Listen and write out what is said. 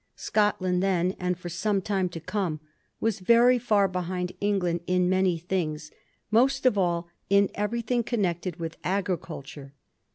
Scotland then, and for some time to come, was very far behind England in many things ; most of all, in everything connected with agriculture.